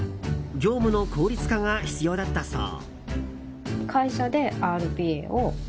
業務の効率化が必要だったそう。